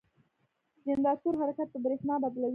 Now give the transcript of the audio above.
جنراتور حرکت په برېښنا بدلوي.